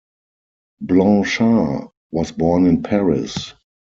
Blanchard was born in Paris.